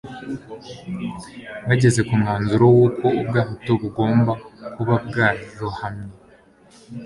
bageze ku mwanzuro w'uko ubwato bugomba kuba bwarohamye